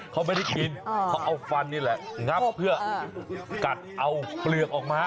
เขาไม่ได้กินเขาเอาฟันนี่แหละงับเพื่อกัดเอาเปลือกออกมา